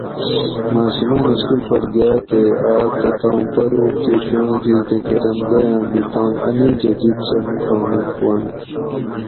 ماۤسوماۤن اِسکول پھر گاۤ تے آۤک تہ توم پروگ تے چُنڑوگ اِزدہ کۤرنت دویاۤم بھی توم انیجۤہ جب سۤہ مُکھامُوک ہُواۤنت۔